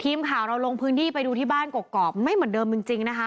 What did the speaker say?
ทีมข่าวเราลงพื้นที่ไปดูที่บ้านกอกไม่เหมือนเดิมจริงนะคะ